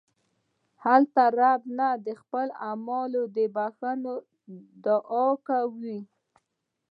هلته رب نه د خپلو اعمالو د بښنې دعا کوئ.